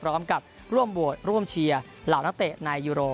พร้อมกับร่วมโหวตร่วมเชียร์เหล่านักเตะในยูโร